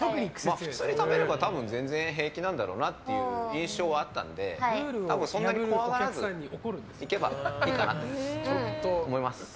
普通に食べれば全然平気なんだろうなっていう印象はあったのでそんなに怖がらずに行けばいいかなと思います。